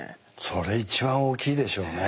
それ一番大きいでしょうね。